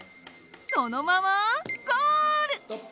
そのままゴール！